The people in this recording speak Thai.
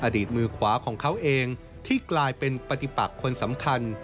อดีตมือขวาของเขาเองที่กลายเป็นปฏิปักคนสำคัญ